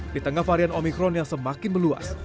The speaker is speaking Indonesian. di tengah varian omikron yang semakin meluas